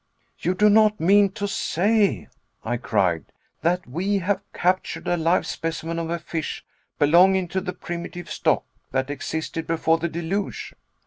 "You do not mean to say," I cried, "that we have captured a live specimen of a fish belonging to the primitive stock that existed before the deluge?"